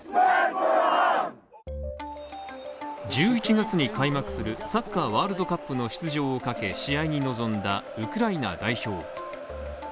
１１月に開幕するサッカーワールドカップの出場を賭け試合に臨んだウクライナ代表。